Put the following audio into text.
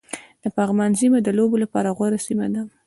د پغمان سيمه د لوبو لپاره غوره سيمه ده